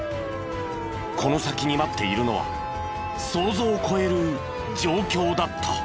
この先に待っているのは想像を超える状況だった。